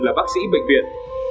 là bác sĩ bệnh viện